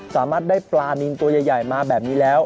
สามารถได้ปลานินตัวใหญ่มาแบบนี้แล้ว